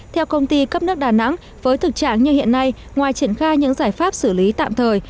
theo công ty cấp nước đà nẵng với thực trạng như hiện nay ngoài triển khai những giải pháp xử lý tạm thời